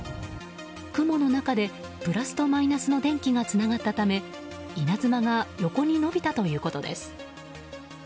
雲の中でプラスとマイナスの電気がつながったため稲妻が横に伸びたということです。